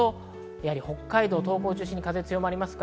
北海道、東北を中心に風が強まります。